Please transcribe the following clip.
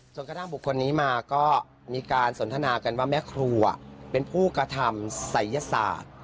กระทั่งบุคคลนี้มาก็มีการสนทนากันว่าแม่ครัวเป็นผู้กระทำศัยยศาสตร์